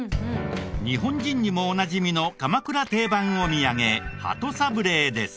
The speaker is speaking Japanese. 日本人にもおなじみの鎌倉定番お土産鳩サブレーです。